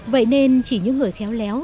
vậy nên chỉ những người khéo léo